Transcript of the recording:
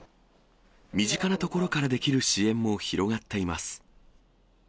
身近なところからできる支援も広がっています。